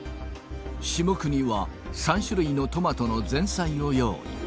下國は３種類のトマトの前菜を用意